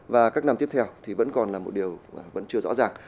và các năm tiếp theo thì vẫn còn là một điều vẫn chưa rõ ràng